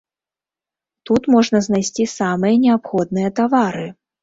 Тут можна знайсці самыя неабходныя тавары.